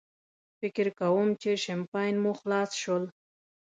فکر کوم چې شیمپین مو خلاص شول.